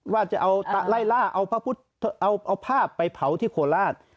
ว่าจะเอาไล่ล่าเอาภาพไปเผาที่โคราช